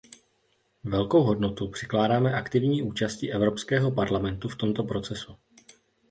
Velkou hodnotu přikládáme aktivní účasti Evropského parlamentu v tomto procesu.